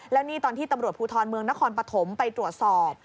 แล้วนี่ตอนที่ตำรวจภูทรเมืองนครปฐมไปตรวจสอบ